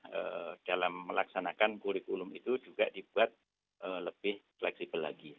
kemudian dalam melaksanakan kurikulum itu juga dibuat lebih fleksibel lagi